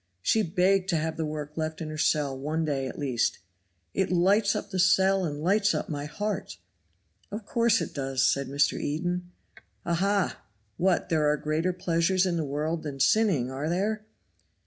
She begged to have the work left in her cell one day at least. "It lights up the cell and lights up my heart." "Of course it does," said Mr. Eden. "Aha! what, there are greater pleasures in the world than sinning, are there?"